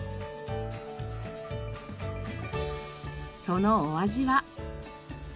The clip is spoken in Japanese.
そのお味は？